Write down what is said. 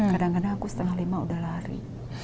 kadang kadang aku setengah lima udah lari